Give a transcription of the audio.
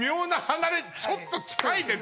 離れちょっと近いね